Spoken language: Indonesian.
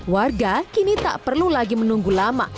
warga kini tak perlu lagi menunggu lama